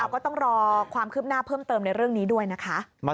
ก็ต้องรอความคืบหน้าเพิ่มเติมในเรื่องนี้ด้วยนะคะ